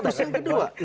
terus yang kedua